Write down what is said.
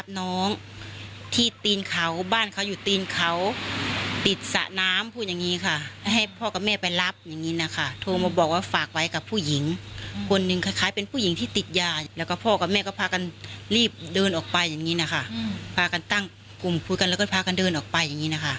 ก็พาที่เดินออกไปอย่างนี้นะคะพากันตั้งกลุ่มพูดกันแล้วก็พากันเดินออกไปอย่างนี้นะคะ